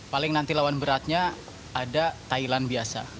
paling nanti lawan beratnya ada thailand biasa